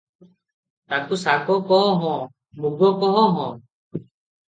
ତାକୁଶାଗ କହ ହଁ, ମୁଗ କହ ହଁ ।